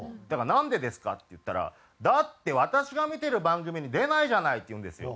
「なんでですか？」って言ったら「だって私が見てる番組に出ないじゃない」って言うんですよ。